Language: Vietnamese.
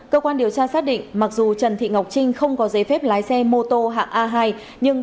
cơ quan điều tra xác định mặc dù trần thị ngọc trinh không có giấy phép lái xe mô tô hạng a hai nhưng